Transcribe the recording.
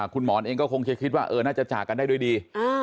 คุณหมอนเองก็คงจะคิดว่าน่าจะจากกันได้ด้วยดี